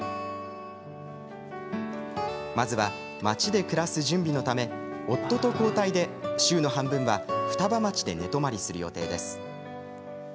まずは、町で暮らす準備のため夫と交代で週の半分は双葉町で寝泊まりする予定です。